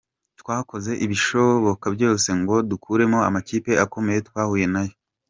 Twakoze ibishoboka byose ngo dukuremo amakipe akomeye twahuye nayo.